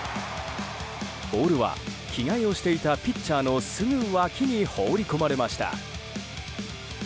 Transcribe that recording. ボールは着替えをしていたピッチャーのすぐ脇に放り込まれました。